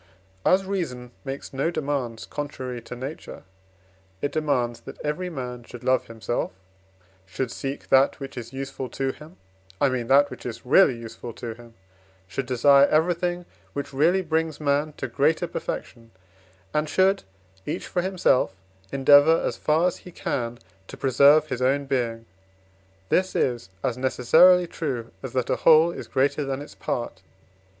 As reason makes no demands contrary to nature, it demands, that every man should love himself, should seek that which is useful to him I mean, that which is really useful to him, should desire everything which really brings man to greater perfection, and should, each for himself, endeavour as far as he can to preserve his own being. This is as necessarily true, as that a whole is greater than its part.